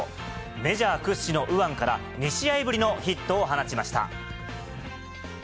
メジャー屈指の右腕から、２試合ぶりのヒットを放ちました。